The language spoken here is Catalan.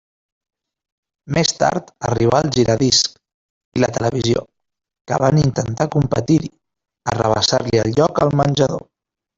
Més tard arribà el giradiscs i la televisió, que van intentar competir-hi, arrabassar-li el lloc al menjador.